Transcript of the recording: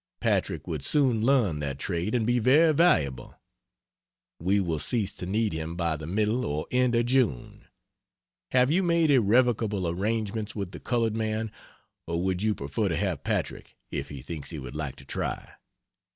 Patrick would soon learn that trade and be very valuable. We will cease to need him by the middle or end of June. Have you made irrevocable arrangements with the colored man, or would you prefer to have Patrick, if he thinks he would like to try?